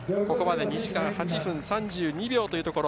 ここまで２時間８分３２秒。